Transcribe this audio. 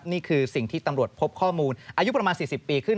นี่คือสิ่งที่ตำรวจพบข้อมูลอายุประมาณ๔๐ปีขึ้น